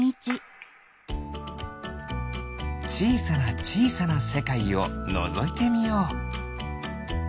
ちいさなちいさなせかいをのぞいてみよう。